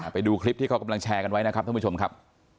ไปดูคลิปที่เขากำลังแชร์กันไว้นะครับท่านผู้ชมครับ